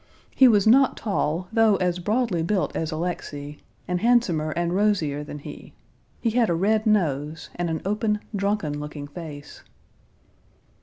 He was not tall, though as broadly built as Alexey, and handsomer and rosier than he; he had a red nose, and an open, drunken looking face.